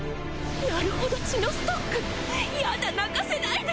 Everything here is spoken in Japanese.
なるほど血のストック！やだ泣かせないで！